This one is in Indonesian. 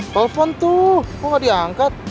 telepon tuh kok diangkat